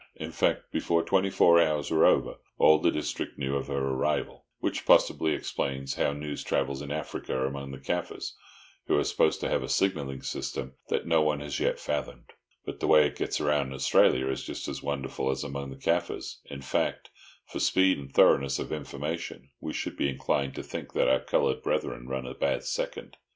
In fact, before twenty four hours were over, all the district knew of her arrival; which possibly explains how news travels in Africa among the Kaffirs, who are supposed to have a signalling system that no one has yet fathomed; but the way it gets round in Australia is just as wonderful as among the Kaffirs, in fact, for speed and thoroughness of information we should be inclined to think that our coloured brethren run a bad second.